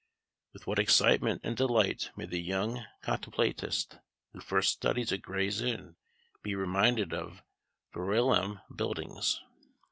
With what excitement and delight may the young contemplatist, who first studies at Gray's Inn, be reminded of Verulam buildings!